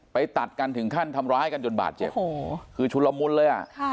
ตัดกันถึงขั้นทำร้ายกันจนบาดเจ็บโอ้โหคือชุนละมุนเลยอ่ะค่ะ